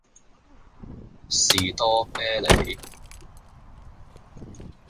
士多啤梨